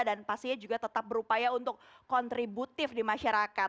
dan pastinya juga tetap berupaya untuk kontributif di masyarakat